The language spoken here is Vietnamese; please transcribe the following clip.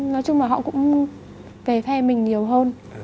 nói chung là họ cũng về phe mình nhiều hơn